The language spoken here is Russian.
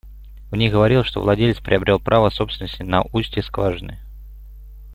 В них говорилось, что владелец приобрел право собственности на устье скважины.